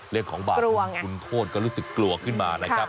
เรื่องของบาปรวงคุณโทษก็รู้สึกกลัวขึ้นมานะครับ